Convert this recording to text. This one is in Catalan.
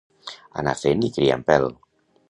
Anar fent i criant pèl.